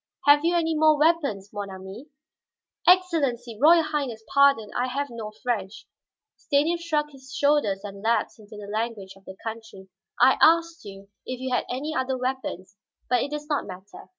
"Have you any more weapons, mon ami?" "Excellency, Royal Highness, pardon I have no French." Stanief shrugged his shoulders and lapsed into the language of the country. "I asked you if you had other weapons, but it does not matter."